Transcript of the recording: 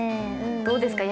どうですか？